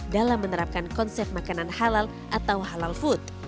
dalam menerapkan konsep makanan halal atau halal food